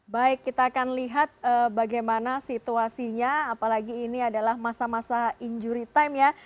baik kita akan lihat bagaimana situasinya apalagi ini adalah masa masa injury time ya